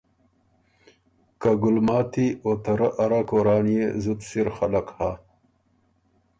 که ګلماتی او ته رۀ اره کورانيې زُت سِر خلق هۀ۔